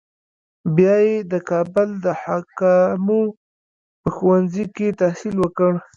بیا یې د کابل د حکامو په ښوونځي کې تحصیل وکړ.